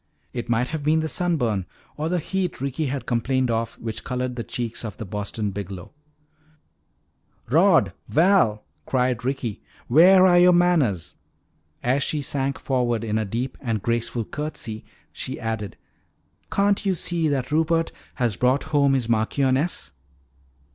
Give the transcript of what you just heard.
It might have been sunburn or the heat Ricky had complained of which colored the cheeks of the Boston Biglow. "Rod! Val!" cried Ricky. "Where are your manners?" As she sank forward in a deep and graceful curtsy she added, "Can't you see that Rupert has brought home his Marchioness?"